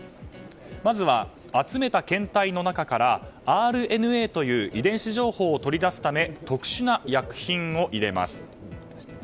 まずは集めた検体の中からＲＮＡという遺伝子情報を取り出すため特殊な薬品を入れます。